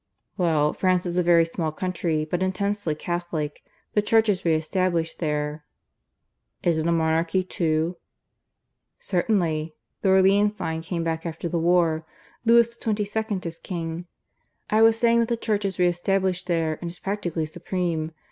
"Well, France is a very small country, but intensely Catholic. The Church is re established there, " "Is it a monarchy too?" "Certainly. The Orleans line came back after the war. Louis XXII is king. I was saying that the Church is re established there, and is practically supreme.